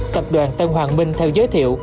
tập đoàn tân hoàng minh theo giới thiệu